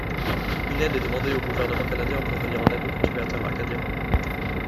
Une aide est demandée au gouvernement canadien pour venir en aide aux cultivateurs acadiens.